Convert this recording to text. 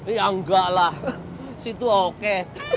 ya enggak lah situ oke